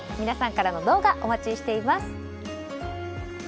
皆さんからの動画お待ちしています。